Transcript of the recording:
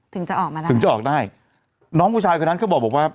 ถึงจะออกมาได้ถึงจะออกได้น้องผู้ชายคนนั้นก็บอกว่า